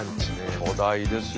巨大ですよ